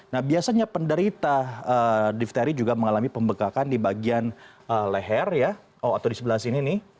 nah biasanya penderita difteri juga mengalami pembekakan di bagian leher ya atau di sebelah sini nih